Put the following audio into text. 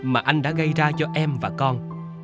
mà anh đã gây ra cho em và con